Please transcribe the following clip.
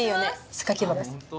榊原さん